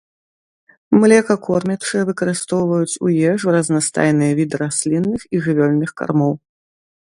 Млекакормячыя выкарыстоўваюць у ежу разнастайныя віды раслінных і жывёльных кармоў.